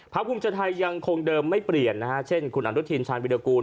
ภาพกรุงเจอร์ไทยยังคงเดิมไม่เปลี่ยนนะครับเช่นคุณอันตุธินชาญวิดากูล